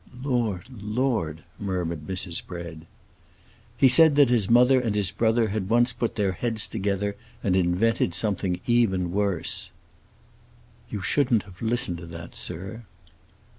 "Lord, Lord!" murmured Mrs. Bread. "He said that his mother and his brother had once put their heads together and invented something even worse." "You shouldn't have listened to that, sir."